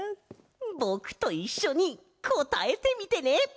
ぼくといっしょにこたえてみてね！